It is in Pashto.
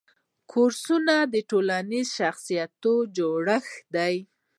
کورس د ټولنیز شخصیت جوړښت دی.